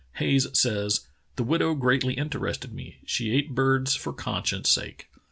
Hayes says: "The widow greatly interested me. She ate birds for conscience' sake.